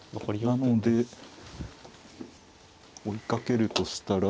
なので追いかけるとしたら。